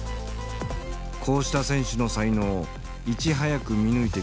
こうした選手の才能をいち早く見抜いてきた男がいる。